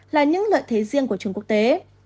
là những lợi thế riêng của trường quốc tế